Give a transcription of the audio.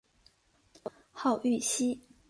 号玉溪。